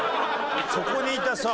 そこにいたさ。